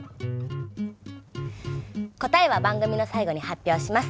答えは番組の最後に発表します。